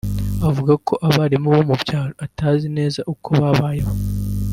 Avuga ko abarimu bo mu byaro atazi neza uko babayeho